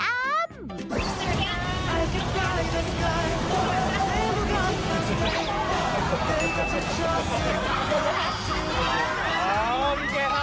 เจ้าแจ๊กริมเจ้า